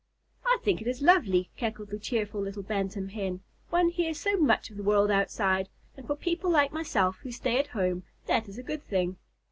"I think it is lovely," cackled the cheerful little Bantam Hen. "One hears so much of the world outside, and for people like myself, who stay at home, that is a good thing.